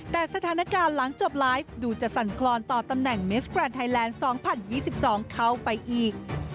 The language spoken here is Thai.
แต่สถานการณ์หลังจบไลฟ์ดูจะสั่นคลอนต่อตำแหน่งเมสกรัดไทยแลนด์สองพันยี่สิบสองเข้าไปอีก